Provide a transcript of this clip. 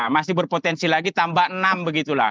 masih berpotensi lagi tambah enam begitulah